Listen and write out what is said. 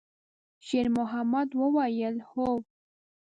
شېرمحمد وویل: «هو.»